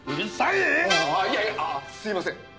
あいやいやあぁすみません。